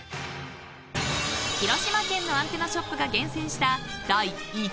［広島県のアンテナショップが厳選した］